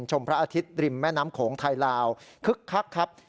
พระอาทิตย์ริมแม่น้ำโขงไทยลาวคึกคักครับ